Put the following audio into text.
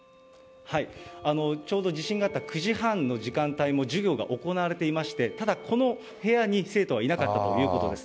ちょうど地震があった９時半の時間帯も授業が行われていまして、ただ、この部屋に生徒はいなかったということです。